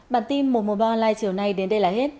bản tin một trăm một mươi ba online chiều nay đến đây là hết